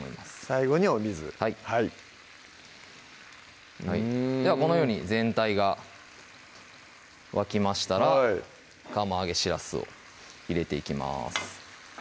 最後にお水はいはいではこのように全体が沸きましたら釜揚げしらすを入れていきます